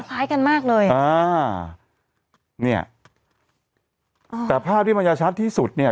พูดควายกันมากเลยอ่าเนี่ยอ๋อแต่ภาพที่มายชัดที่สุดเนี่ย